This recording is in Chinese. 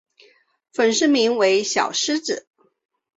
粉丝名为小狮子。